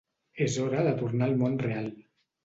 És hora de tornar al món real.